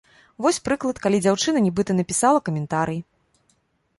Вось, прыклад, калі дзяўчына нібыта напісала каментарый.